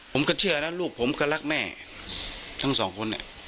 ผมก็เชื่อนะลูกผมก็รักแม่ทั้งสองคน